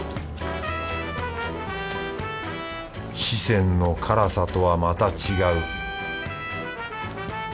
四川の辛さとはまた違う。